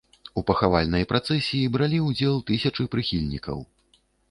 У пахавальнай працэсіі бралі ўдзел тысячы прыхільнікаў.